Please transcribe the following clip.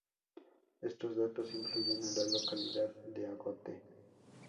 Estos datos incluyen a la localidad de Agote.